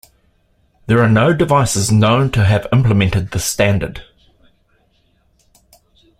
There are no devices known to have implemented this standard.